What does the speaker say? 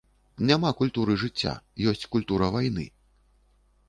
Няма культуры жыцця, ёсць культура вайны.